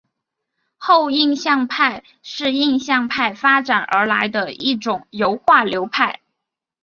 后印象派是印象派发展而来的一种油画流派。